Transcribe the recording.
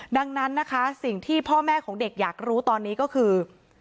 ดังนั้นนะคะสิ่งที่พ่อแม่ของเด็กอยากรู้ตอนนี้ก็คือ